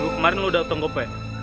kemarin lo udah utang kopek